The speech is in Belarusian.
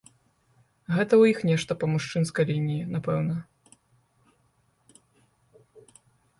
Гэта ў іх нешта па мужчынскай лініі, напэўна.